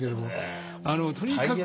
とにかく。